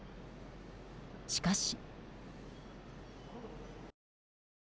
しかし。